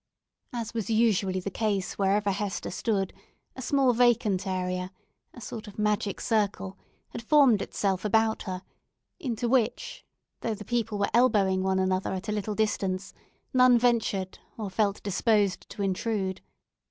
As was usually the case wherever Hester stood, a small vacant area—a sort of magic circle—had formed itself about her, into which, though the people were elbowing one another at a little distance, none ventured or felt disposed to intrude.